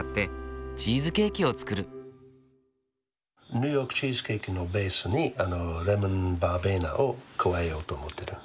ニューヨークチーズケーキのベースにレモンバーベナを加えようと思ってる。